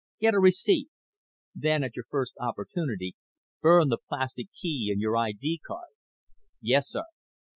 Get a receipt. Then, at your first opportunity, burn the plastic key and your ID card." "Yes, sir."